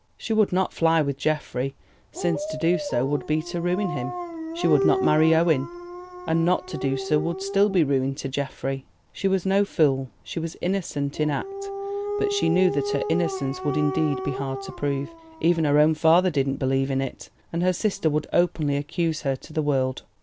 She would not fly with Geoffrey, since to do so would be to ruin him. She would not marry Owen, and not to do so would still be to ruin Geoffrey. She was no fool, she was innocent in act, but she knew that her innocence would indeed be hard to prove—even her own father did not believe in it, and her sister would openly accuse her to the world.